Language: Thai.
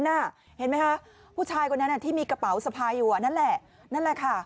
เห็นไหมคะผู้ชายคนนั้นที่มีกระเป๋าสะพายอยู่นั่นแหละนั่นแหละค่ะ